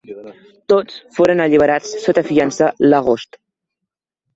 Tots foren alliberats sota fiança l'agost.